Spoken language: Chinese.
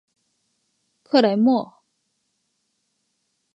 克雷莫。